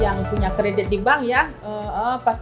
yang punya kredit di bank ya